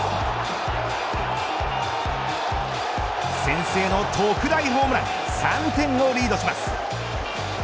先制の特大ホームラン３点をリードします。